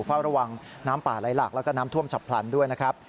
เฝ้าระวังน้ำป่าไหลหลากแล้วก็น้ำท่วมฉับพลันด้วยนะครับ